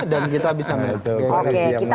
dan kita bisa menentukan